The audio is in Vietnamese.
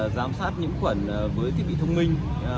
giám sát những khuẩn với thiết bị thông minh